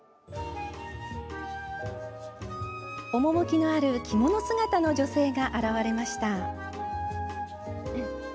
趣のある着物姿の女性が現れました。